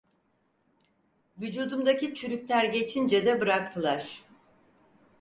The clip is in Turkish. Vücudumdaki çürükler geçince de bıraktılar…